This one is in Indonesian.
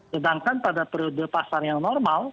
sedangkan pada periode pasar yang normal